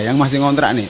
yang masih kontrak nih